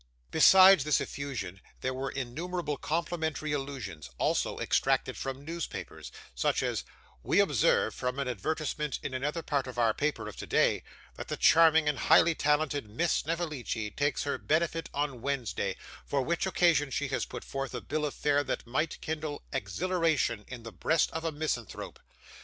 Besides this effusion, there were innumerable complimentary allusions, also extracted from newspapers, such as 'We observe from an advertisement in another part of our paper of today, that the charming and highly talented Miss Snevellicci takes her benefit on Wednesday, for which occasion she has put forth a bill of fare that might kindle exhilaration in the breast of a misanthrope.